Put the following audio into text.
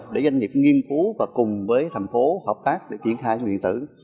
để doanh nghiệp nghiên cứu và cùng với thành phố hợp tác để triển khai điện tử